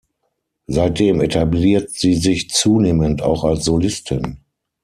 Seitdem etabliert sie sich zunehmend auch als Solistin.